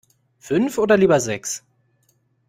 Fünf oder lieber sechs?